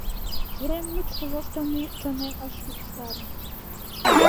Урем мучко воштылмо йӱк чонем ыш луштаре.